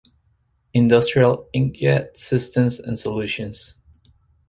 Industrial inkjet systems and solutions.